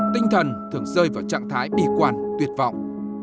tinh thần thường rơi vào trạng thái bì quản tuyệt vọng